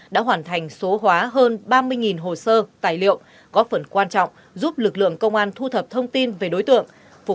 đã hoàn thành số hóa hơn ba mươi hồ sơ tài liệu có phần quan trọng giúp lực lượng công an thu thập thông tin về đối tượng